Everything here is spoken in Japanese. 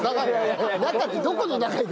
中ってどこの中で？